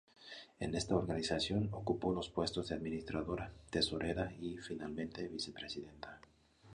En esta organización ocupó los puestos de administradora, tesorera y, finalmente, vicepresidenta.